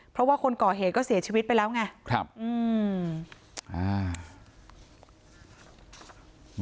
เพราะว่าคนก่อเหตุก็เสียชีวิตไปแล้วไงครับอืมอ่า